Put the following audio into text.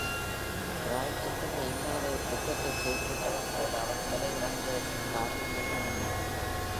பிராயச் சித்தமே இல்லாத ஒரு குற்றத்தைச் செய்துவிட்டவன் போல அவன் தலை இறங்கியதற்குக் காரணம் என்ன?